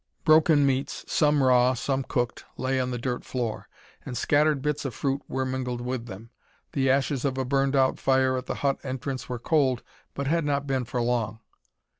Broken meats, some raw, some cooked, lay on the dirt floor, and scattered bits of fruit were mingled with them. The ashes of a burned out fire at the hut entrance were cold, but had not been for long.